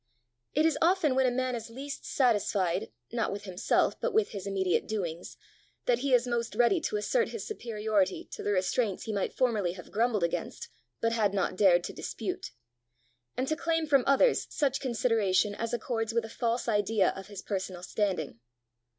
It is often when a man is least satisfied not with himself but with his immediate doings that he is most ready to assert his superiority to the restraints he might formerly have grumbled against, but had not dared to dispute and to claim from others such consideration as accords with a false idea of his personal standing.